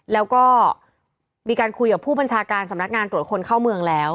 แล้วก็มีการคุยกับผู้บัญชาการสำนักงานตรวจคนเข้าเมืองแล้ว